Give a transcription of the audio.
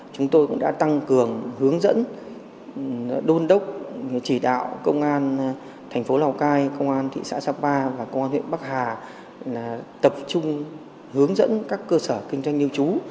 chúng tôi cũng đã tăng cường hướng dẫn đôn đốc chỉ đạo công an thành phố lào cai công an thị xã sapa và công an huyện bắc hà tập trung hướng dẫn các cơ sở kinh doanh lưu trú